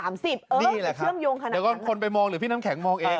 นี่แหละค่ะเดี๋ยวก่อนคนไปมองหรือพี่น้ำแข็งมองเอง